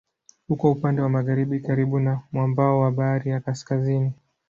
Uko upande wa magharibi karibu na mwambao wa Bahari ya Kaskazini.